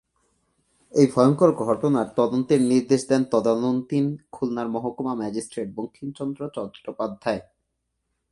এই ভয়ংকর ঘটনার তদন্তের নির্দেশ দেন তদানীন্তন খুলনার মহকুমা ম্যাজিস্ট্রেট বঙ্কিমচন্দ্র চট্টোপাধ্যায়।